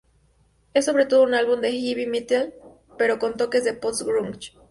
Es sobre todo un álbum de heavy metal, pero con toques de post-grunge.